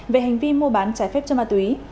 về hành vi mua bán trái phép chất ma túy